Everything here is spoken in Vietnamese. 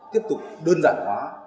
tiếp tục đơn giản hóa